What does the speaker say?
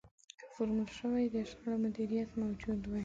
که فورمول شوی د شخړې مديريت موجود وي.